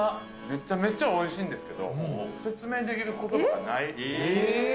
めちゃめちゃおいしいんですけど、説明できることばがない。